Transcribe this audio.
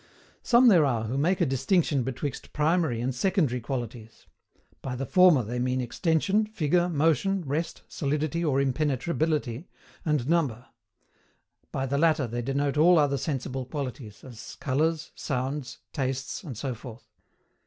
Some there are who make a DISTINCTION betwixt PRIMARY and SECONDARY qualities. By the former they mean extension, figure, motion, rest, solidity or impenetrability, and number; by the latter they denote all other sensible qualities, as colours, sounds, tastes, and so forth.